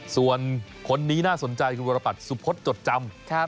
ส่วนคนนี้น่าสนใจคุณวรปัตรสุพธจดจำ